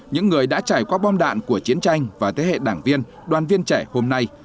những người đã trải qua bom đạn của chiến tranh và thế hệ đảng viên đoàn viên trẻ hôm nay